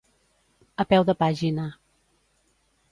A peu de pàgina.